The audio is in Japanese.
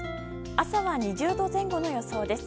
朝は２０度前後の予想です。